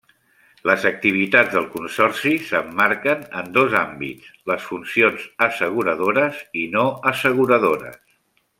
Les activitats del Consorci s'emmarquen en dos àmbits: les funcions asseguradores i no asseguradores.